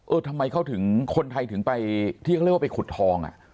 ทำไมเขาถึงคนไทยถึงไปที่เขาเรียกว่าไปขุดทองอ่ะ